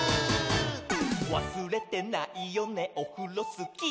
「わすれてないよねオフロスキー」